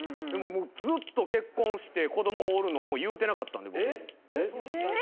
ずっと結婚して子供おるのも言うてなかったんで僕に。